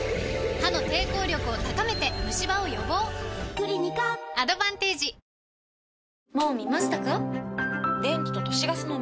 クリニカアドバンテージあれ？